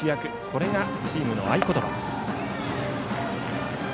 これがチームの合言葉。